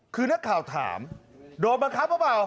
คือนักข่าวถามโดนบังคับหรือเปล่า